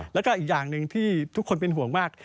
แล้วก็อีกอย่างหนึ่งที่ทุกคนเป็นห่วงมาก